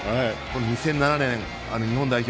２００７年日本代表